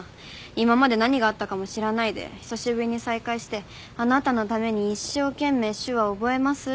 今まで何があったかも知らないで久しぶりに再会してあなたのために一生懸命手話覚えますって。